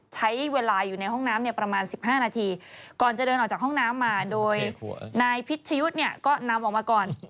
ใช้เวลาอยู่ในห้องน้ำเนี่ยประมาณ๑๕นาทีก่อนจะเดินออกจากห้องน้ำมาโดยนายพิชยุทธ์เนี่ยก็นำออกมาก่อน